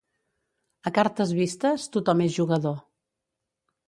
A cartes vistes tothom és jugador.